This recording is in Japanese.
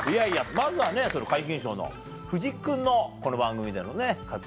まずはねその皆勤賞の藤木君のこの番組でのね活躍ぶり。